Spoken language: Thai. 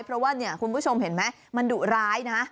เพราะว่าเนี่ยคุณผู้ชมเห็นไหมมันดุร้ายนะ